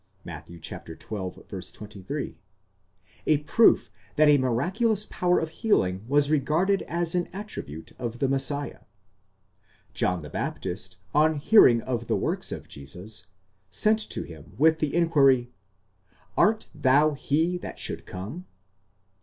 (Matt. xii. 23), a proof that a miraculous power of healing was regarded as an attribute of the Messiah. John the Baptist, on hearing of the works of Jesus (ἔργα), sent to him with the inquiry, Art thou he that should come (épxépevos)?